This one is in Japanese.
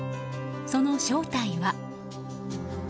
その正体は。